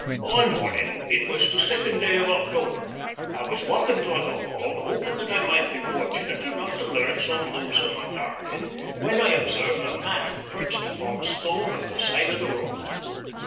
One morning it was the second day of October I was walking towards the Hall, hoping that I might be fortunate enough to learn some news of my darling, when I observed a man perched upon a stone at the side of the road.